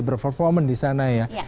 berperforman di sana ya